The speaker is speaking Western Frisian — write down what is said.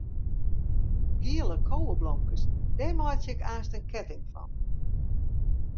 Giele koweblomkes, dêr meitsje ik aanst in ketting fan.